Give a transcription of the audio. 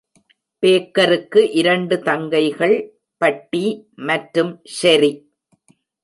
பேக்கருக்கு இரண்டு தங்கைகள், பட்டி மற்றும் ஷெரி.